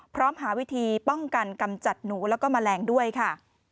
หาวิธีป้องกันกำจัดหนูแล้วก็แมลงด้วยค่ะ